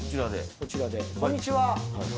こんにちは。